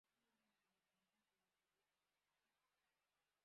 Umugore munini wicaye muri gari ya moshi